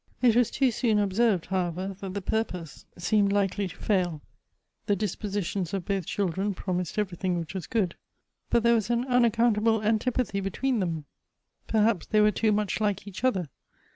" It was too soon observed, however, that the purpose seemed likely to fail ; the dispositions of both children promised everything which was good, but there was an unaccountable antipathy between them. Perhaps they were too much like each other.